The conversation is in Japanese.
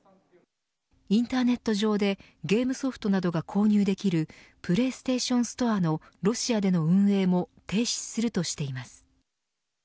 インターネット上でゲームソフトなどが購入できるプレイステーションストアのロシアでの運営も停止するとしています。